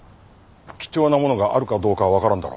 貴重なものがあるかどうかはわからんだろ。